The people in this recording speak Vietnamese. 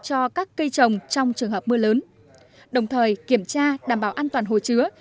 cho các cây trồng trong trường hợp mưa lớn đồng thời kiểm tra đảm bảo an toàn hồ chứa